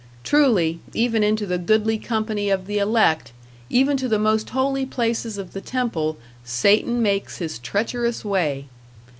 Truly, even into the goodly company of the elect, even to the most holy places of the temple, Satan makes his treacherous way!